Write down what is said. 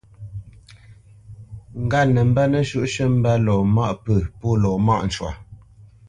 Ŋgât nə mbə́ nəshǔʼshʉ̂ mbə́ lɔ maʼ pə̂ pô lɔ mâʼ cwa.